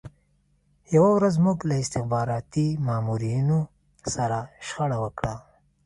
یوه ورځ موږ له استخباراتي مامورینو سره شخړه وکړه